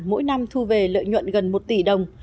mỗi năm thu về lợi nhuận gần một tỷ đồng